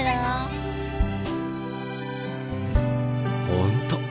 ほんと！